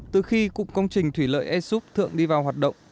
từ khi cục công trình thủy lợi esup thượng đi vào hoạt động